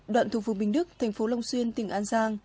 đoạn thuộc phường bình đức thành phố long xuyên tỉnh an giang